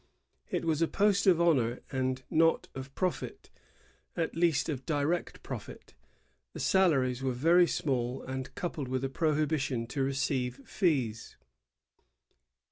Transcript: It was a post of honor and not of profit, at least of direct profit. The salaries were veiy small, and coupled with a prohibition to receive fees.